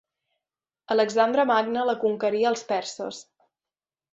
Alexandre Magne la conquerí als perses.